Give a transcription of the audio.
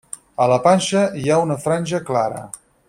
A la panxa hi ha una franja clara.